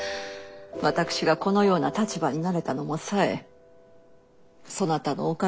私がこのような立場になれたのも紗江そなたのおかげじゃ。